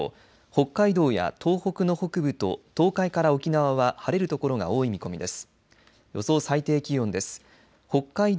北海道や東北の北部と東海から沖縄は晴れるところが多い見込みです。